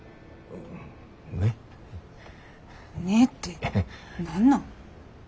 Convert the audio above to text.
「ねっ」て何なん？